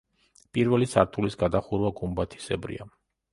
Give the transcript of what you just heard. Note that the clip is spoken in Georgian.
პირველი სართულის გადახურვა გუმბათისებრია.